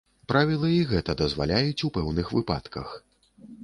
Правілы і гэта дазваляюць у пэўных выпадках.